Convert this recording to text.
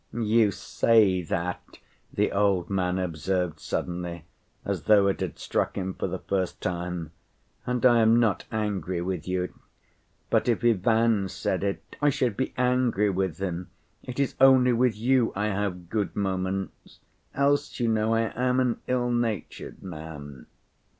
you say that," the old man observed suddenly, as though it had struck him for the first time, "and I am not angry with you. But if Ivan said it, I should be angry with him. It is only with you I have good moments, else you know I am an ill‐natured man."